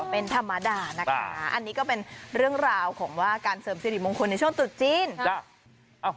เป็นธรรมดานะคะอันนี้ก็เป็นเรื่องราวของว่าการเสริมสิริมงคลในช่วงตุดจีน